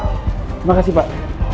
terima kasih pak